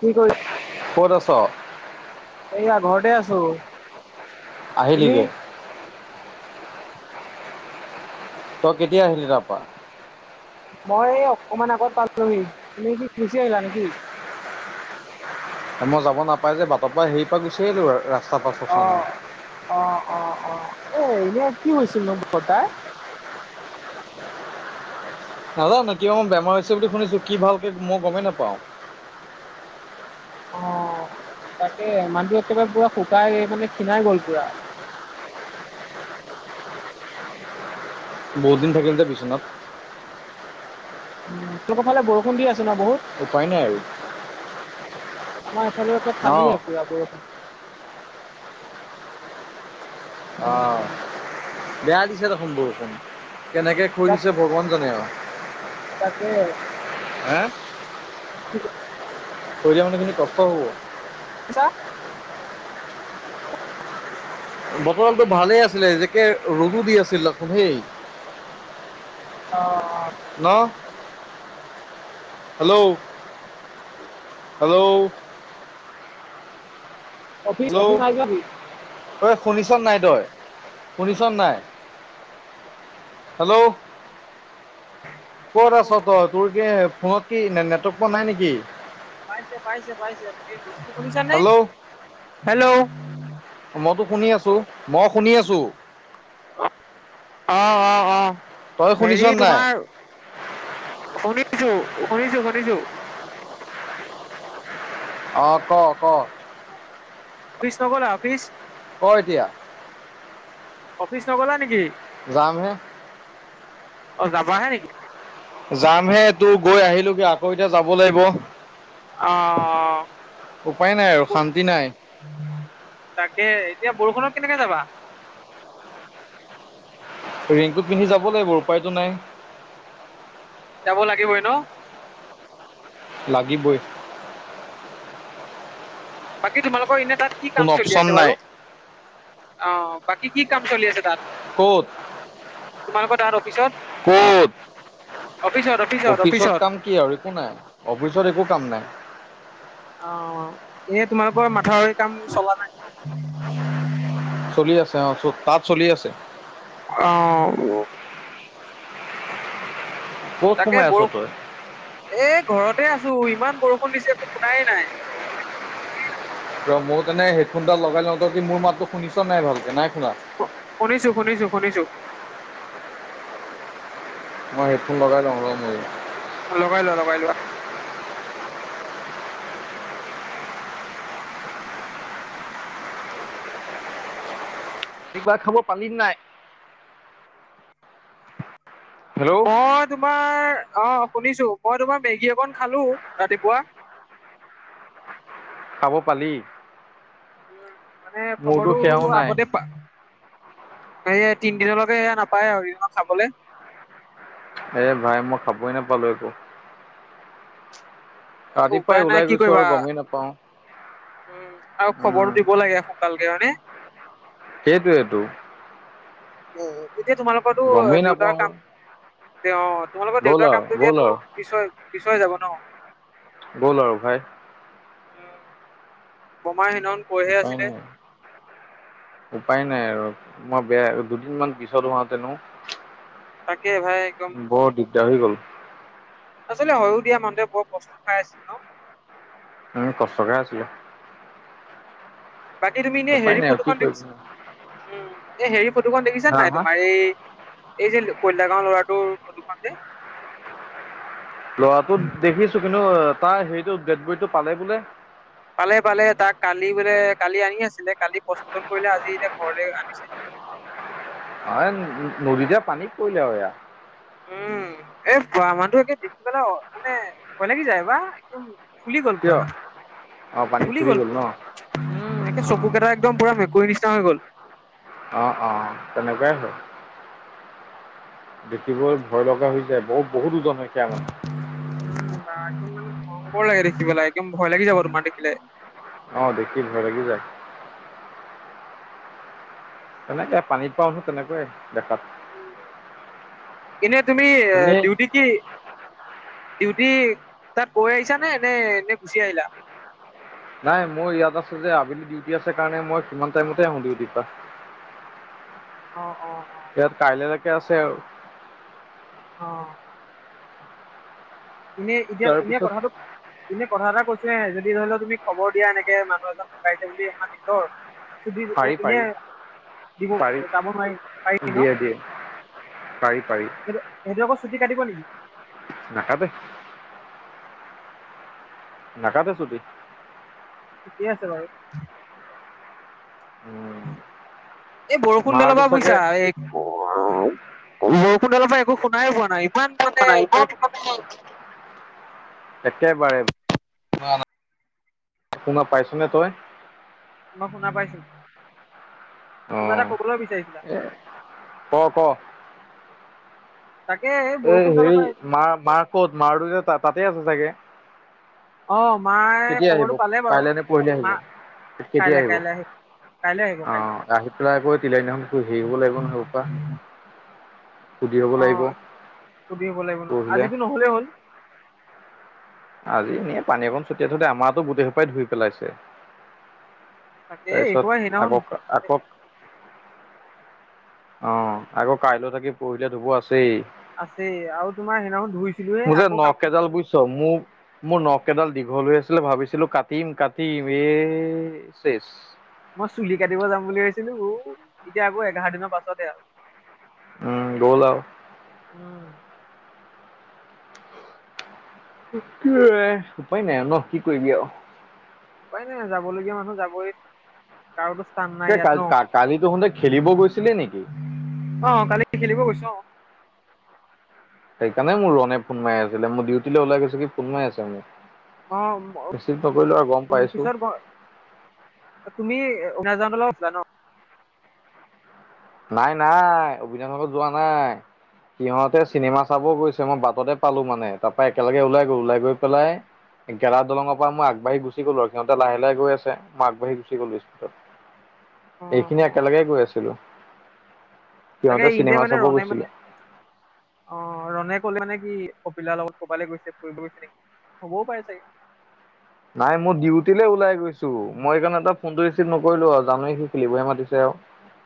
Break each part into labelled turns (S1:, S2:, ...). S1: কি কৰি
S2: ক'ত আ ছ'?
S1: এইয়া ঘৰতে আছোঁ।
S2: আহিলিগে। তই কেতিয়া আহিলি তাৰপা?
S1: মই এই অকমান আগত পালোহি, তুমি কি গুচি আহিলা নেকি?
S2: মই যাব নাপাই যে বাটৰ পৰা হেৰি পৰা গুচি আহিলো আৰু ৰা
S1: অ', অ', অ', অ', এ এনে কি হৈছিল নো বৰ্তাৰ?
S2: নাজানো কিবা মই বেমাৰ হৈছে বুলি শুনিছোঁ কি ভালকে মই গমেই নাপাওঁ।
S1: অ', তাকে মানুহটো একেবাৰে পুৰা শুকাই মানে খীণাই গ'ল পুৰা। [inaudible]
S2: বহুত দিন থাকিল দে বিচনাত।
S1: উম, [unintelligible] বৰষুণ দি আছে। ন বহুত
S2: উপায় নাই আৰু।
S1: আমাৰ এফালে এ ফালি
S2: অঁ
S1: আছে পূৰা বৰষুণ।
S2: অ', বেয়া দিছে দেখোন বৰষুণ। কেনেকৈ খৈ
S1: তাক
S2: দিছে ভগৱান জানে আৰু
S1: তাকে
S2: হে? পৰিয়াল মানুহ খিনি কষ্ট হ'ব।
S1: [unintelligible]
S2: বৰ্তমানটো ভালেই আছিলে এ যেকে ৰ'দো দি আছিল দেখোন হেই।
S1: অ', অ',
S2: ন' হেল্ল' হেল্ল'
S1: অফিচ অফিচ নাইজাৰি
S2: শুনিছা নাই তই শুনিছা নাই? হেল্ল' ক'ত আছ
S1: হেল্ল'
S2: তই, তোৰ কি ফোনত কি নেটৱৰ্ক পোৱা নাই নেকি?
S1: পাইছে পাইছে তুমি বস্তুটো শুনিছানে?
S2: হেল্ল'
S1: হেল্ল'
S2: মইতো শুনি আছোঁ মই শুনি আছোঁ।
S1: অ', অ' অ',
S2: তই শুনিছ
S1: হেৰি
S2: নাই
S1: তোমাৰ শুনি শুনিছোঁ - শুনিছোঁ - শুনিছোঁ।
S2: অ', ক' ক'
S1: অফিচ নগলা অফিচ।
S2: ক' এতিয়া।
S1: অফিচ নগলা নেকি?
S2: যাম হে।
S1: অ যাব আহে নেকি
S2: যামহে তোৰ গৈ আহিলগ আকৌ এতিয়া যাব লাগিব
S1: অ অ
S2: উপায় নাই আৰু শান্তি নাই
S1: তাকে এতিয়া বৰষুণত কেনেকে যাবা
S2: ৰিংকুট পিন্ধি যাব লাগিব উপায়তটো নাই
S1: যাব লাগিবই ন
S2: লাগিবই
S1: বাকী তোমালোকৰ এনে তাত কি
S2: কোনো
S1: কাম চলি
S2: অপচন
S1: আছে
S2: নাই
S1: বাৰু? অ' বাকী কি কাম চলি আছে তাত?
S2: ক'ত?
S1: তোমালোকৰ তাত অফিচত।
S2: ক'ত? অফিচত কাম কি আৰু একো নাই অফিচত একো কাম নাই।
S1: অ এনে তোমালোকৰ মাথাৰি কাম চলা নাই ন
S2: চলি আছে অ তাত চলি আছে
S1: অ
S2: ক'ত
S1: তাকে
S2: সোমাই আছ তই
S1: বৰষু এক ঘৰতে আছো ইমান বৰষুণ দিছে একো শুনাই নাই
S2: ত মই তেনে হেডফোনডাল লগাই লওঁ ত কি মোৰ মাততো শুনিছ নাই ভালকে নাই শুনা
S1: শুনিছো শুনিছো শুনিছো
S2: মই হেডফোন বাগা লংল মই
S1: লগাই লোৱা লগাই লোৱা
S2: কিবা খাব পালি নাই হেল্ল'
S1: বহুত তোমাৰ অ শুনিছো মই তোমাৰ মেগী একন খালো ৰাতিপুৱা [unintelligible]
S2: খাব পালি
S1: মানে
S2: মোৰতো সেয়াও
S1: খবৰটো
S2: নাই
S1: আগতে প এই তিনদিনলৈকে সেয়া নাপায় আ দিনত খাবলে
S2: এ ভাই মই খাবই নাপালো একো
S1: এ উপায়
S2: ৰাতিপুৱাই
S1: নাই
S2: ওলাই
S1: কি
S2: গৈছো
S1: কৰিবা
S2: আৰু গমেই নাপাওঁ
S1: উম আৰু
S2: উম
S1: খবৰো দিব লাগে সোনকালকে হয়ানে
S2: কেইেত তো
S1: এতিয়া তোমালোকৰো
S2: গমেই
S1: দেউতাৰ
S2: নাপাওঁ আৰু
S1: কাম তেওঁ তোমালোকৰ
S2: গ'ল
S1: দেউতাৰ
S2: আৰু
S1: কামটো
S2: গ'ল
S1: দিয়ো
S2: আৰু
S1: পিছ পিছয় যাব ন
S2: গ'ল আৰু ভাই।
S1: বমাই সেইদিনাখন কৈহে আছিলে
S2: অহ' উপায় নাই আৰু মই বেয়া, দুদিন মমান পিছত হোৱা হেতেনো
S1: তাকে ভাই একদম
S2: দাহি গ'ল।
S1: আচলতে হয়য়ো দিয়া। মানুহে বৰ বস্তু খাই আছিল ন'।
S2: আৰু কষ্টকে আছিলে।
S1: বাকী তুমি এনে
S2: উপায়
S1: হেৰি
S2: নাই
S1: ফটোখন
S2: কৰিবি
S1: দেখিছা। উ'। এ' হেৰি ফটোখন দেখিছা
S2: হা
S1: নাই
S2: হা
S1: তোমাৰ এই এই যে কয়লা গাও ল'ৰাটোৰ কটোখন যে
S2: ল'ৰাটো দেখিছো, কিন্তু তাৰ হেৰিটো দেদবদিটো পালে বোলে।
S1: পালে, পালে। তাক কালি বোলে কালি আনি আছিলে কালি পচফটন কৰিলে, আজি এতিয়া ঘৰলে আনিছে। [inaudible]
S2: অ' নদীতে পানীত পৰিলে আৰুয়া
S1: উম। এ' বোৱা মানুহ একে দেখি পেলাই মানে কই লগি যায় বা এক খুলি গ'ল বুঢ়া
S2: কিয় অঁ
S1: মানুহ
S2: পানীত
S1: ফুলি
S2: ফুৰি
S1: গল
S2: ন
S1: পুৰা। উ' একে
S2: অঁ
S1: চকু কেইটা একদম পুৰা মেকুৰীৰ নিচিনা হৈ গল।
S2: অ', অ', তেনেকুৱাই হয়। দেখিবলৈ ভয় লগা হৈ যায়, বহুত বহুত উজন
S1: [unintelligible] ভয়ংকৰ লাগে দেখি পেলাই, একদম ভয় লাগি যাব তোমাৰ দেখিলে।
S2: অ' দেখিল ভয় লাগি যায়। তেনেকে পানীত পাওঁ ত', তেনেকুৱে দেখাত।
S1: এনে তুমি
S2: এনেই
S1: ডিউটি কি ডিউটি তাত কৈ আহিছা নে? নে, নে গুচি আহিলা।
S2: নাই মোৰ ইয়াত আছে যে আবেলি, ডিউটি আছে কাৰণে মই ইমান টাইমতে আহো ডিউটিৰ পৰা।
S1: অ অ
S2: ইয়াত কাইলৈলৈকে আছে আৰু
S1: অ'। এনেই এতিয়া এনেই
S2: তাৰপিছত
S1: কথাটো এনে কথা এটা কৈছহে যদি ধৰি লও, তুমি খবৰ দিয়া এনেকে মানুহ এজন দুকাছে বুলি আমাৰ নিজৰ চদি
S2: পাৰি
S1: এনে
S2: পাৰি
S1: দিব
S2: পাৰি
S1: যাব নোৱাৰি, পাৰি ন'।
S2: দিয়ে দিয়ে পাৰি পাৰি
S1: সেটো, সেইটো আকৌ ছুটি কাটিব নেকি?
S2: নাকাতে। নাকাটে চুটি।
S1: ঠিকেই আছে বাৰু
S2: উম
S1: এই বৰষুণডালৰ
S2: মাৰটো
S1: পৰা
S2: চাগে
S1: বুইছা এই বৰষুণ ডালৰ পৰা একো শুনাই পোৱা নাই। ইমান মানে
S2: ক ন ইব [inaudible] একেবাৰে শুনা শুনা পাইছনে তই।
S1: মই শুনা পাইছো।
S2: অ
S1: কিবা এটা কবলৈ বিচাৰিছিলা।
S2: এ ক'। ক'।
S1: তাকে
S2: এই
S1: বৰষুণডালৰ
S2: হেৰি।
S1: পৰা
S2: মাৰ, মাৰ ক'ত? মাৰ টোজে তাতেই আছে চাগে
S1: অ'। মায়ে
S2: কেতিয়া আহিব?
S1: খবৰটো পালে বাৰু
S2: কাইলে নে পৰিলি আহিব,
S1: মা
S2: কেতিয়া
S1: কাইলে
S2: আহিব।
S1: কাইলে কাইলে আহিব কাইলে
S2: আহ। আহি পেলাই আকৌ তিলাই দিনাখন হেৰি হব লাগিব নহয় এহোপা
S1: অ'। সুধিব লাগিব ন',
S2: পৰহিলে
S1: আজিতো নহলেই হ'ল।
S2: আজি এনে পানী অকণ ছটিয়াই থৈদে, আমাৰটো গোটেই সোপাই ধুই পেলাইছে।
S1: তাকে এইসোপা
S2: তাৰপিছত
S1: সেইদিনাখন
S2: আকৌ, আকৌ অ', আকৌ কাইলৈ থাকি পৰহিলে ধুব আছো
S1: আছেই আৰু তোমাৰ সেইদিনাখন ধুইছিলোহে
S2: মোৰ যে
S1: আকৌ কাপ
S2: নকডাল বুজিছ মোক মোৰ নখ এডাল দীঘল হৈ আছিলে ভাবিছিলো কাটিম কাটিম এ চে
S1: মই চুলি কাটিব যাম বুলি ভাবছিলো অ এতিয়া আকৌ এঘাৰ দিনৰ পাছতে আৰু
S2: উম গৌ লাও
S1: উম
S2: কি উপায় নাই ন কি কৰিবি আৰু
S1: উপায় নাই যাবলগীয়া মানুহ যাবই কাৰোতো স্থান নাই ইয়াত
S2: কাল
S1: ন
S2: কালিতো সুতে খেলিব গৈছিলে
S1: অ কালি খেলিব গৈছো অ
S2: সেইকাৰণে মোৰ ৰনে ফোন মাৰি আছিলে মোৰ ডিউটৈ ওলাই গৈছে কি ফোন মাৰি আছে মোক
S1: অ
S2: ৰিচিভ নকৰিলো আৰু গম পাইছো
S1: পিছ তুমি উন জান ল ন
S2: নাই নাই অভিধানৰ লগত যোৱা নাই সিহঁতে চিনেমা চাব গৈছে মই বাটতে পালো মানে তাৰ পৰাৰা একেলগে ওলাই গ'ল ওলাই গৈ পেলাই গেলা দলৰ পৰা মই আগবাঢ়ি গুি গলো আৰু সহঁতে লাহে লাহে গ আছে মই আগবাঢ় গুি গলো স্কিতত
S1: [unintelligible]
S2: এইখিনি
S1: অ
S2: একেলগে গৈ আছিলো
S1: তাকে
S2: সিহঁতে
S1: ইণ্ডিয়া
S2: চিনেমা
S1: মানে
S2: চাব
S1: ৰনে
S2: গৈছিলে
S1: মানে অ ৰনে কলে মানে সি অপিল দাৰ লগত কবালে গৈছে ফুৰিব গৈছে নেকি হ'বও পাৰে চাগে
S2: নাই মোৰ ডিউটিলে ওলাই গৈছো মই সেইকাৰণে টা ফোনটো ৰিচিভ নকৰিলো আৰু জানোৱেই সি খেলিবহে মাতিছে আও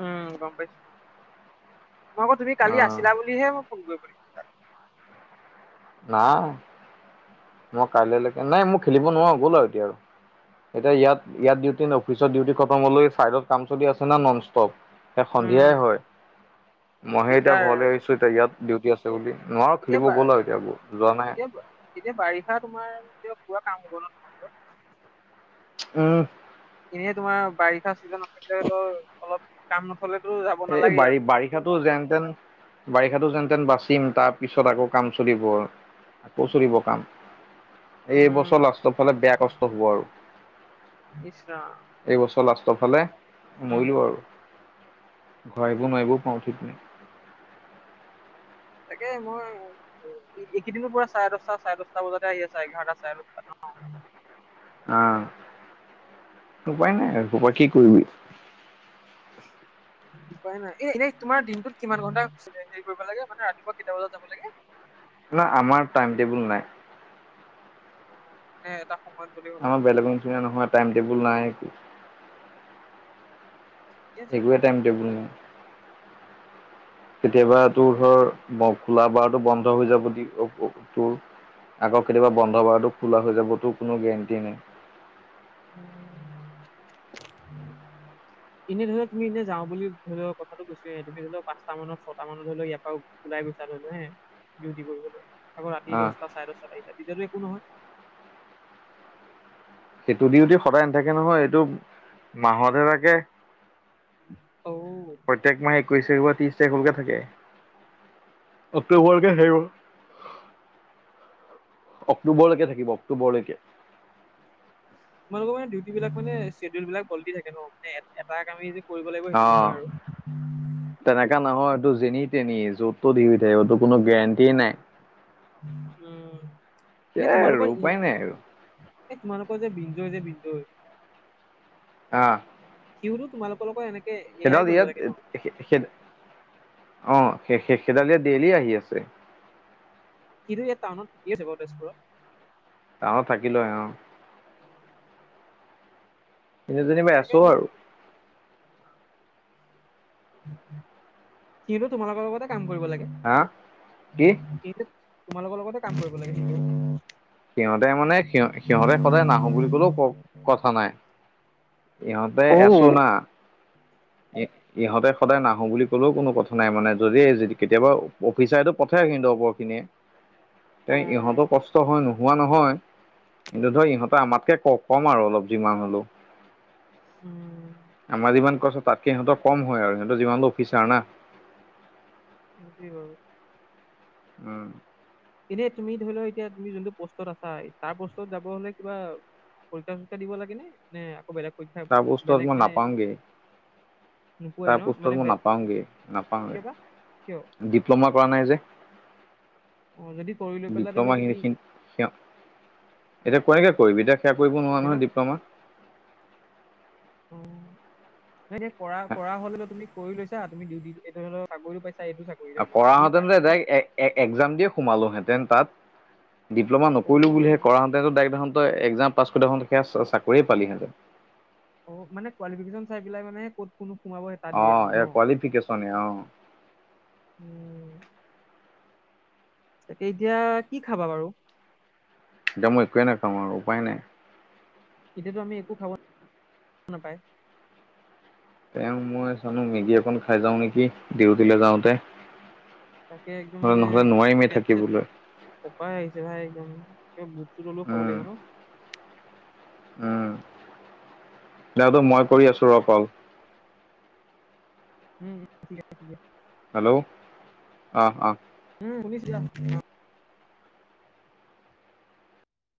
S1: উম গম পাইছো মই আকৌ তুমি
S2: অ
S1: কালি আছিলা বুলিহে মই ফোন কৰিব দিছিলো তাক
S2: নাই মই কাইলৈলৈকে নাই মোৰ খেলিব নোৱাৰা গ'ল আৰু এতিয়া আৰু এতিয়া ইয়াত ইয়াত ডউটি অফিচত ডিউটি খতম হলে চাইডত কাম চলি আছে ন নন ষ্টপ
S1: উম
S2: সন্ধিয়াই হয় মইে এতিয়া
S1: দিগদাৰ
S2: ঘৰলৈ আহিছো এতিয়া ইয়াত ডিউটি আছে বুলি নোৱাৰো
S1: এতিয়া
S2: খেলিব
S1: বা
S2: গ'ল আৰু এতিয়া যোৱা নাই
S1: এতিয়া এতিয়া বাৰিষা তোমাৰ এতিয়া পুৰা কাম হ'ব ন তোমালোকৰ
S2: উম
S1: এনেই তোমাৰ বাৰিষা চিজন নাথাকিলে হলেও অলপ কাম ন
S2: এই বাৰ বাৰিষাতো যেনতেন বাৰিষাতো যেন তেন বাচিম তাৰ পিছত আকৌ কাম চলিব আকৌ চলিব কাম
S1: উম
S2: এইবছৰ লাষ্টৰ ফালে বেয়া কষ্ট হব আৰু
S1: ইছ ৰাম
S2: এইবছৰ লাষ্ ট ফালে
S1: উম
S2: মৰিলোঁ আৰু ঘৰা আহিব নোৱাৰিবোও পাওঁ ঠিক নাই
S1: তাকে মই এইকেইদিনৰ পৰা চাৰে দশটা চাৰে দশটা বজাতে আহি আছে এঘাৰটা চাৰে দশটাত অ [unintelligible]
S2: অহ উপাই নাই আৰু এসোপা কি কৰিবি
S1: উপায় নাই এই এনেই তোমাৰ দিনটোত কিমান ঘণ্টা হেৰি কৰিব লাগে মানে ৰাতিপুৱা কেইটা বজাত যাব লাগে
S2: না আমাৰ টাইম টেবুল নাই
S1: মানে এটা সময়ত গ'লেই হ'ল আৰু
S2: আমাৰ
S1: ন
S2: বেলেগৰ নিচিনা নহয় টাইম টেবুল নাই একো
S1: ঠিকে আছে
S2: একোৱে
S1: বাৰু
S2: টাইম টেবুল নাই
S1: [inaudible]
S2: কেতিয়াবা তোৰ ধৰ খোলা বাৰটো বন্ধ হৈ যাব, দি তোৰ আকৌ কেতিয়াবা বন্ধবাৰটো খোলা হৈ যাব তোৰ কোনো গেৰেণ্টি নাই।
S1: উম। এনে ধৰি লও তুমি এনে যাওঁ বুলি ধৰি লও কথাটো কৈছোৱে তুমি ধৰি লও পাঁচটা মানত ছটা মানৰ ধৰি লও ইয়াৰ পৰা ওলাই গৈছা [unintelligible] ডিউটি কৰিবলৈ। আকৌ ৰাতি
S2: আহ
S1: দহটা চাৰে দহটাত আহিছা তেতিয়াটো একো নহয়।
S2: সেইটো ডিউটি সদায় নাথাকে নহয়, এইটো মাহতহে থাকে।
S1: [inaudible]
S2: প্ৰত্যেক মাহ একৈশ [unintelligible] ত্ৰিশ তাৰিখৰ লৈকে থাকে, অক্টোবৰ লৈকে থাকিব। অক্টোবৰলৈকে থাকিব অক্টোবৰলৈকে।
S1: তোমালোকৰ মানে ডিউটি বিলাক মানে চ্বেডিউল বিলাক বদলি থাকে ন, মানে এটা কামেই যে কৰিব লাগিব সেইটো
S2: অ'
S1: নহয় আৰু
S2: তেনেকা নহয়। তোৰ যেনি তেনি য'তো ডিউটি থাকিব, তোৰ কোনো গেৰেণ্টিয়ে নাই।
S1: উম, এনে
S2: সেয়াই আৰু
S1: তোমালোকৰ ই
S2: উপায় নাই আৰু
S1: এই তোমালোকৰ যে বিঞ্জয় যে বিঞ্জয়।
S2: আহ।
S1: সিওটো তোমালোকৰ লগৰ এনে।
S2: সেইডাল ইয়াত সেই অ' সেই-সেইডাল ইয়াত ডেইলি আহি আছে।
S1: সিটো এই টাউনত থাকিয়ে আছে বাৰু তেজপুৰত।
S2: টাউনত থাকি লয় অ'। এনে জনিবাই
S1: তাকে
S2: আছো
S1: মোৰ
S2: আৰু।
S1: সি'টো তোমালোকৰ লগতে কাম কৰিব লাগে।
S2: হা কি?
S1: সি'টো তোমালোকৰ লগতো কাম কৰিব লাগে ন।
S2: সিহঁতে মানে স সিহঁতে সদায় নাহো বুলি কলেও ক কথা নাই। সিহতে
S1: অ'
S2: এছো না ইহঁতে সদায় নাহো বুলি কলেও কোনো কথা নাই মানে যদি য কেতিয়াবা অফিচাৰেটো প [unintelligible] খিনিয়ে তে
S1: উম
S2: ইহঁতো কষ্ট হয় ন। হোৱা নহয়, কিন্তু ধৰ ইহঁতে আমাতকে ক-কম আৰু অলপ যিমান হলেও।
S1: উম,
S2: আমাৰ যিমান কৈছ, তাতকে সিহঁত কম হয় আৰু সিহঁতৰ যিমানটো অফিচাৰ না।
S1: সেইটোৱে বাৰু।
S2: উম।
S1: এনে তুমি ধৰি লোৱা এতিয়া তুমি যোনটো পোষ্টত আছা তাৰ পষ্টত যাব হলে কিবা পৰীক্ষা চৰীক্ষা দিব লাগে নে নে বেলেগ পৰীক্ষা
S2: তাৰ বস্তুত
S1: বেলেগ
S2: মই
S1: মানে
S2: নাপাওঁগে
S1: নোপোৱাই
S2: তাৰ
S1: ন
S2: পোষ্টত
S1: মানে
S2: মই
S1: বেল
S2: নাপাওঁগে
S1: কিয় বা কিয়
S2: নাপাওঁগে। ডিপ্ল'মা কৰা নাই যে
S1: অ যদি কৰি লৈ পেলাই ধৰি
S2: ডিপ্ল'মা
S1: লোৱা তুমি
S2: [unintelligible] এতিয়া কনেকে কৰিবি এতিয়া সেয়া কৰিব নোৱাৰা
S1: ধৰি
S2: নহয়
S1: লওক
S2: ডিপ্ল'মা
S1: অ ন কৰা কৰা হলেও তুমি কৰি লৈছা তুমি এ চাকৰিও পাইছা এইটো চাকৰি ধৰি লোৱা এনে পাই
S2: কৰাহেঁতেন তে
S1: তেতিয়া-
S2: তাইক এক্সাম দিয়ে সোমালোহেতেন তাত ডিপ্ল'মা
S1: অ
S2: নকৰিলো বুলিহে কৰা হঁতেতো কা তাই এক্সাম পাছ কৰি হোঁতে সেয়া চাকৰিয়ে পালিহেঁতেন।
S1: অ', কোৱালিফিকেচন চাই মানে ক চাই পেলাই মানে ক'ত কোনো সোমাবহে তাত দিয়ে আৰু ন
S2: এয়া
S1: অ'।
S2: কোৱালিফিকেশ্যনে অ
S1: তাকে এতিয়া কি খাবা বাৰু।
S2: এতিয়া মই একোৱে ন খাওঁ আৰু উপ উপায় নাই।
S1: এতিয়াতো আমি একো খাব নাপায়।
S2: তেওঁ মই চানো মেগী একন খাই যাওঁ নেকি ডিউটিলে যাওঁতে
S1: তাকে একদম মানে
S2: নহ'লে নোৱাৰিমেই
S1: পেট চেট
S2: থাকিবলৈ
S1: পকাই আহিছে ভাই একদম বুটটো তলেও খাব
S2: উম
S1: লাগিব ন।
S2: উম দে তো মই কৰি আছো ৰ কল।
S1: উম, উম ঠিক আছে দিয়া।
S2: হেল্ল' অ', অ'।
S1: উম শুনিছ [unintelligible]